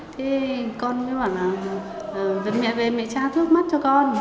thế con mới bảo là mẹ về mẹ tra thuốc mắt cho con